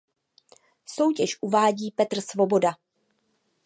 Soutěž uvádí Petr Svoboda.